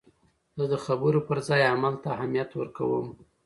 زه د خبرو پر ځای عمل ته اهمیت ورکوم.